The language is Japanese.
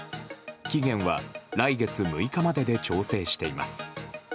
期限は来月６日までで調整しています。